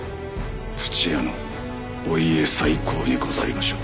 土屋のお家再興にござりましょう？